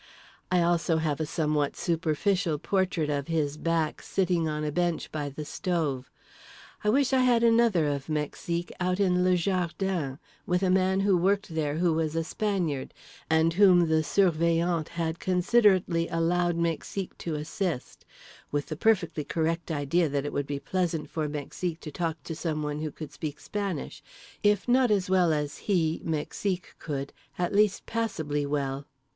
I also have a somewhat superficial portrait of his back sitting on a bench by the stove. I wish I had another of Mexique out in le jardin with a man who worked there who was a Spaniard, and whom the Surveillant had considerately allowed Mexique to assist; with the perfectly correct idea that it would be pleasant for Mexique to talk to someone who could speak Spanish—if not as well as he, Mexique, could, at least passably well.